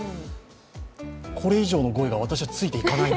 これ以上の語彙が私にはついていかない。